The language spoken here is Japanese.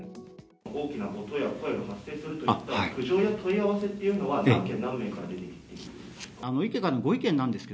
大きな音や声が発生するといった苦情や問い合わせっていうのは、何件何名から出てきているんですか？